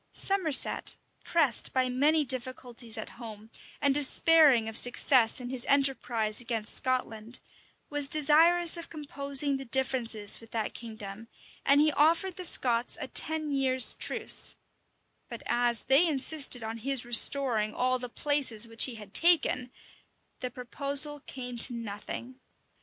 Somerset, pressed by many difficulties at home and despairing of success in his enterprise against Scotland, was desirous of composing the differences with that kingdom, and he offered the Scots a ten years' truce; but as they insisted on his restoring all the places which he had taken, the proposal came to nothing.